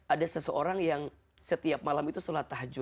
ada seseorang yang setiap malam itu sholat tahajud